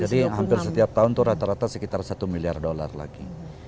jadi hampir setiap tahun itu rata rata sekitar satu million dollars lagi